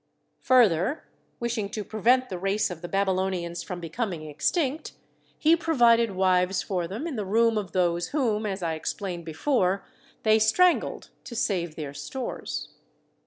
Further, wishing to prevent the race of the Babylonians from becoming extinct, he provided wives for them in the room of those whom (as I ex plained before) they strangled to save their stores.